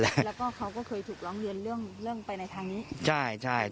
แล้วก็เขาก็เคยถูกร้องเงินเรื่องไปในทางนี้